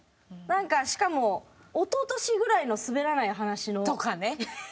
なんかしかも一昨年ぐらいの『すべらない話』の。とかね。